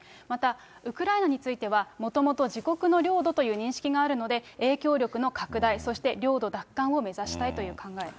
またウクライナについては、もともと自国の領土という認識があるので、影響力の拡大、そして領土奪還を目指したいという考え。